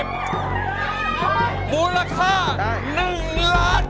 มูลค่า๑ล้านบาท